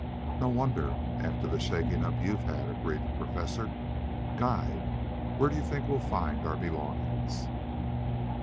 "No wonder, after the shaking up you've had," agreed the Professor. "Guide, where do you think we'll find our belongings?"